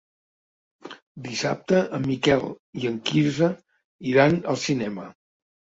Dissabte en Miquel i en Quirze iran al cinema.